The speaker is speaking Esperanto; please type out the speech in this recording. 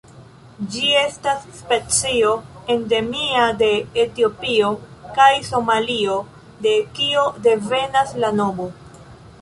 Ĝi estas specio endemia de Etiopio kaj Somalio, de kio devenas la nomo.